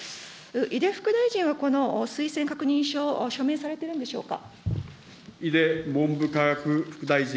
いで副大臣はこの推薦確認書、署名されてるんでしょうか。